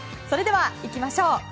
それではいきましょう